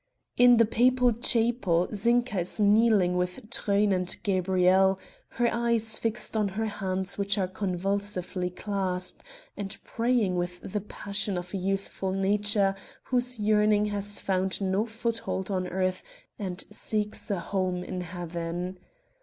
In the papal chapel Zinka is kneeling with Truyn and Gabrielle, her eyes fixed on her hands which are convulsively clasped, and praying with the passion of a youthful nature whose yearning has found no foothold on earth and seeks a home in heaven.